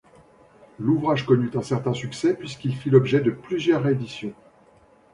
L'ouvrage connut un certain succès puisqu'il fit l'objet de plusieurs rééditions.